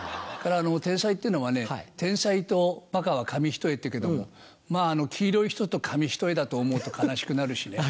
天才ってのはね天才とバカは紙一重っていうけど黄色い人と紙一重だと思うと悲しくなるしね。